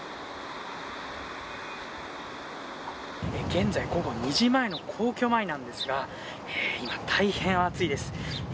現在、午後２時前の皇居前なんですが今、大変暑いです。